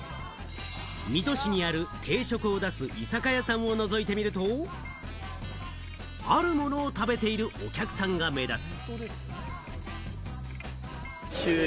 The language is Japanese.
水戸市にある定食を出す居酒屋さんを覗いてみると、あるものを食べているお客さんが目立つ。